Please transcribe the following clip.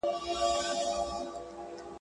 ته هم چایې په توده غېږ کي نیولی؟!.